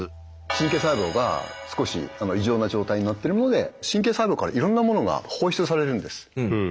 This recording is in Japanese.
神経細胞が少し異常な状態になってるので神経細胞からいろんな物が放出されるんです。